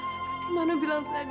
seperti manu bilang tadi